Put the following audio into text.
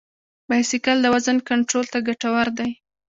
بایسکل د وزن کنټرول ته ګټور دی.